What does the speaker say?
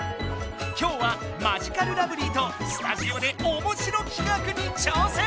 今日はマヂカルラブリーとスタジオでおもしろ企画に挑戦！